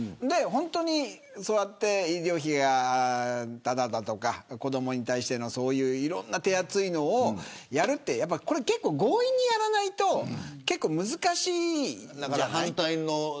本当に、そうやって医療費がただだとか、子どもに対してのそういういろんな手厚いのをやるって結構、強引にやらないと難しいじゃない。